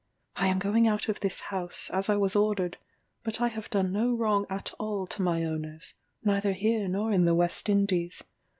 I am going out of this house, as I was ordered; but I have done no wrong at all to my owners, neither here nor in the West Indies.